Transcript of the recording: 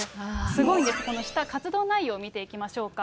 すごいんです、この下、活動内容見ていきましょうか。